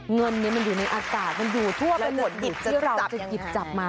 เงินมันอยู่ในอากาศมันอยู่ทั่วไปหมดที่เราจะไปหยิบจับมา